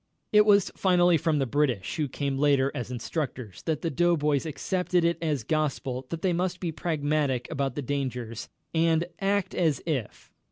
It was finally from the British, who came later as instructors, that the doughboys accepted it as gospel that they must be pragmatic about the dangers, and "act as if...."